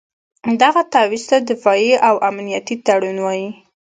دغه تعویض ته دفاعي او امنیتي تړون وایي.